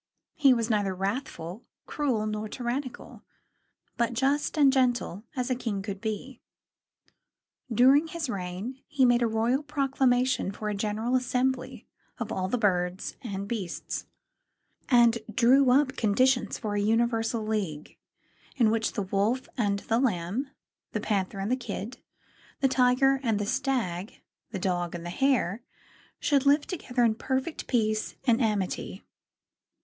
He was neither wrathful, cruel, nor tyrannical, but just and gentle as a king could be. During his reign he made a royal proclamation for a general assembly of all the birds and beasts, and drew up conditions for a universal league, in which the Wolf and the Lamb, the Panther and the Kid, the Tiger and the Stag, the Dog and the Hare, should live together in perfect peace and amity.